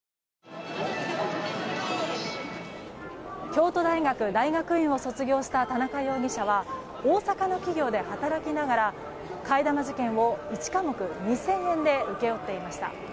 京都大学大学院を卒業した田中容疑者は大阪の企業で働きながら替え玉受験を１科目２０００円で請け負っていました。